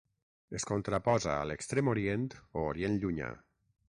Es contraposa a l'Extrem Orient o Orient Llunyà.